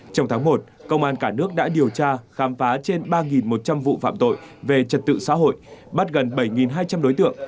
trong tháng một công an cả nước đã điều tra khám phá trên ba một trăm linh vụ phạm tội về trật tự xã hội bắt gần bảy hai trăm linh đối tượng